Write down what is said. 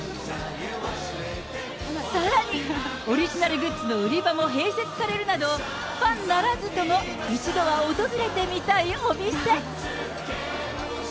さらに、オリジナルグッズの売り場も併設されるなど、ファンならずとも一度は訪れてみたいお店。